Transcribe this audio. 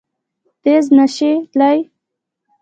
تېز نه شي تلای!